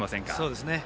そうですね。